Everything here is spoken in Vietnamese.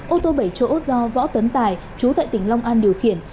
ô tô bảy chỗ do võ tấn tài chú tại tỉnh long an điều khiển